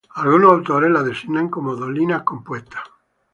Algunos autores las designan como dolinas compuestas.